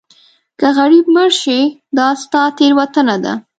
که غریب مړ شې دا ستا تېروتنه ده.